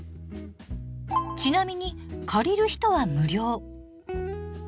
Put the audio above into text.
ちなみに借りる人は無料。